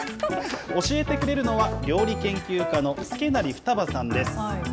教えてくれるのは、料理研究家の祐成二葉さんです。